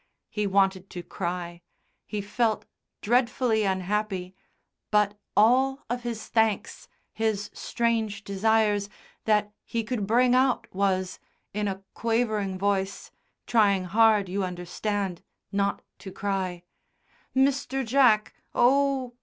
He wanted to cry; he felt dreadfully unhappy, but all of his thanks, his strange desires, that he could bring out was, in a quavering voice, trying hard, you understand, not to cry, "Mr. Jack. Oh!